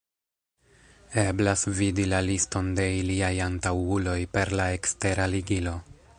Eblas vidi la liston de iliaj antaŭuloj per la ekstera ligilo.